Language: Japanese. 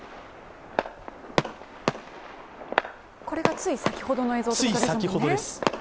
これがつい先ほどの映像ですね。